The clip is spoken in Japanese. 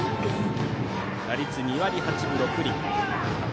打率２割８分６厘。